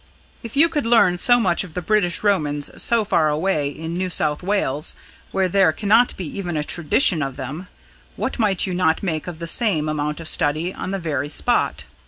If you could learn so much of the British Romans so far away in New South Wales, where there cannot be even a tradition of them, what might you not make of the same amount of study on the very spot.